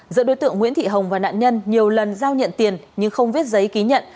giữa đối tượng nguyễn thị hồng và nạn nhân nhiều lần giao nhận tiền nhưng không viết giấy ký nhận